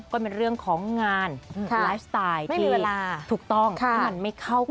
ก็เป็นเรื่องของงานไลฟ์สไตล์ที่หมาไม่เข้ากันเอง